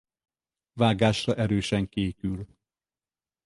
Vágásra erősen kékül.